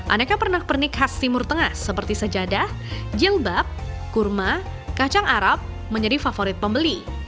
aneka pernak pernik khas timur tengah seperti sejadah jilbab kurma kacang arab menjadi favorit pembeli